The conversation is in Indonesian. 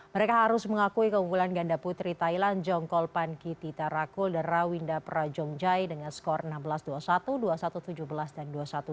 mereka harus mengakui keunggulan ganda putri thailand jongkol pankitita rakul dan rawinda prajongjai dengan skor enam belas dua puluh satu dua puluh satu tujuh belas dan dua puluh satu delapan belas